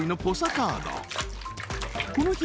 カードこの日